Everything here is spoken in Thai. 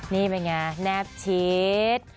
นี่ไหมไงแนบชีส